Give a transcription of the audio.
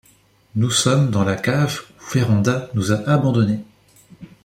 nous sommes dans la cave où Vérand'a nous a abandonnés.